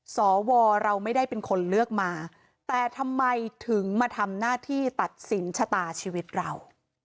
สวเราไม่ได้เป็นคนเลือกมาแต่ทำไมถึงมาทำหน้าที่ตัดสินชะตาชีวิตเรา